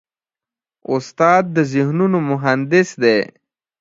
استاد د ذهنونو مهندس دی.